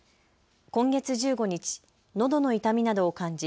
今月１５日、のどの痛みなどを感じ